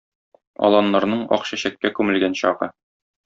Аланнарның ак чәчәккә күмелгән чагы